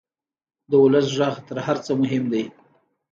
د ولس غږ تر هر څه مهم دی.